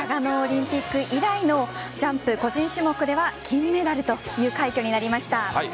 オリンピック以来のジャンプ個人種目では金メダルという快挙になりました。